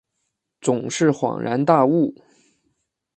总是恍然大悟